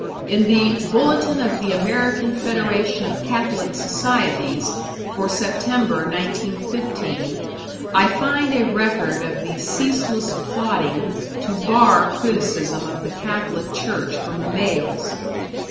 In the "Bulletin of the American Federation of Catholic Societies" for September, 1915, I find a record of the ceaseless plotting to bar criticism of the Catholic Church from the mails.